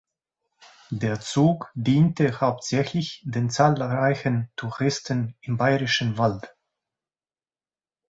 Der Zug diente hauptsächlich den zahlreichen Touristen im Bayerischen Wald.